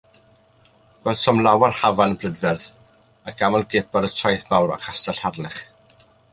Gwelsom lawer hafan brydferth, ac aml gip ar y Traeth Mawr a Chastell Harlech.